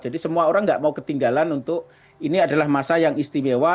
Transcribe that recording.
jadi semua orang nggak mau ketinggalan untuk ini adalah masa yang istimewa